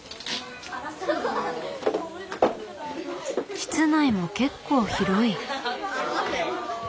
室内も結構広い。